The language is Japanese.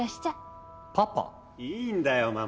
いいんだよママ。